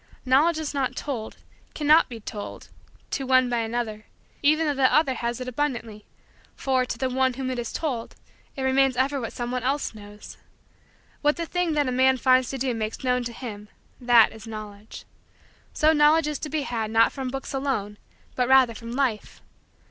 Knowledge is not told, cannot be told, to one by another, even though that other has it abundantly for, to the one to whom it is told, it remains ever what someone else knows. What the thing that a man finds to do makes known to him, that is Knowledge. So Knowledge is to be had not from books alone but rather from Life.